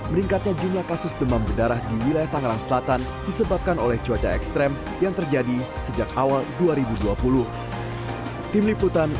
meningkatnya jumlah kasus demam berdarah di wilayah tangerang selatan disebabkan oleh cuaca ekstrem yang terjadi sejak awal dua ribu dua puluh